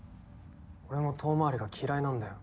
俺も遠回りが嫌いなんだよ。